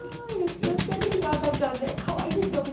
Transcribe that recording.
よちよち歩きの赤ちゃん、かわいいでしょうね。